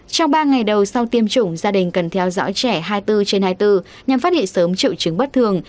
trong ba ngày đầu sau tiêm chủng gia đình cần theo dõi trẻ hai mươi bốn trên hai mươi bốn nhằm phát hiện sớm triệu chứng bất thường